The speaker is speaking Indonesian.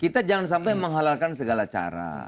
kita jangan sampai menghalalkan segala cara